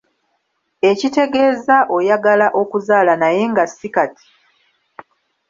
Ekitegeeza oyagala okuzaala naye nga si kati.